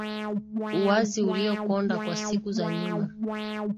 Uwazi uliokonda wa siku za nyuma